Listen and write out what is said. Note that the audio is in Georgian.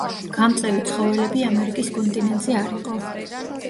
გამწევი ცხოველები ამერიკის კონტინენტზე არ იყო.